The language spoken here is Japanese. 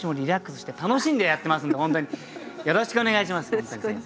本当に先生。